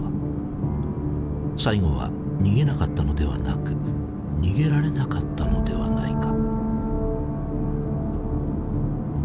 最期は逃げなかったのではなく逃げられなかったのではないか。